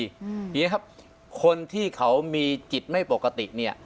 อย่างนี้นะครับคนที่เขามีจิตไม่ปกติ